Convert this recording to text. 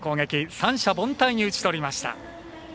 三者凡退に打ちとりました。